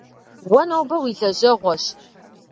Уэ нобэ уи лэжьэгъуэщ.